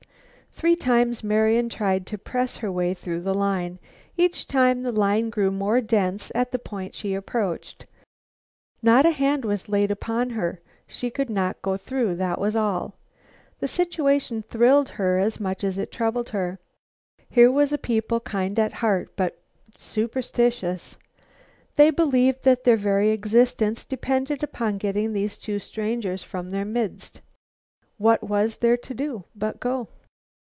Three times Marian tried to press her way through the line. Each time the line grew more dense at the point she approached. Not a hand was laid upon her; she could not go through, that was all. The situation thrilled as much as it troubled her. Here was a people kind at heart but superstitious. They believed that their very existence depended upon getting these two strangers from their midst. What was there to do but go?